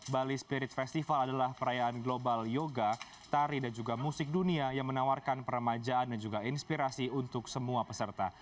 bali spirit festival adalah perayaan global yoga tari dan juga musik dunia yang menawarkan peremajaan dan juga inspirasi untuk semua peserta